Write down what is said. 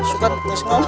suka terus ngomong